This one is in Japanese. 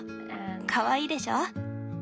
かわいいでしょ？